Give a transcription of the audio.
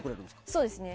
そうですね。